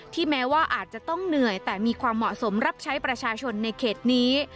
แม้ว่าอาจจะต้องเหนื่อยแต่มีความเหมาะสมรับใช้ประชาชนในเขตนี้